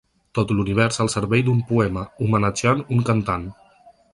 Tot l’univers al servei d’un poema, homenatjant un cantant.